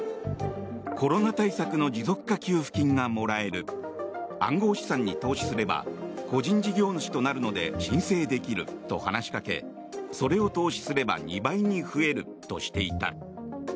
コロナ対策の持続化給付金がもらえる暗号資産に投資すれば個人事業主となるので申請できると話しかけそれを投資すれば２倍に増えるとしていた。